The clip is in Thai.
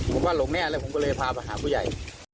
ผมว่าหลงแน่แล้วผมก็เลยพาไปหาผู้ใหญ่